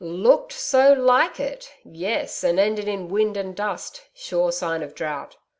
'LOOKED so like it! Yes, and ended in wind and dust. Sure sign of drought!